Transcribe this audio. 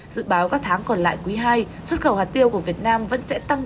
dự báo các tháng còn lại quý ii xuất khẩu hạt tiêu của việt nam vẫn sẽ tăng